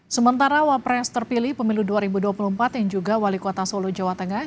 sementara wapres terpilih pemilu dua ribu dua puluh empat yang juga wali kota solo jawa tengah